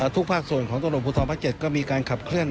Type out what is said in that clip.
ทุกภาคส่วนของตรวจผู้ท้องภาคเจ็ดก็มีการขับเคลื่อน